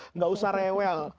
enggak usah rewel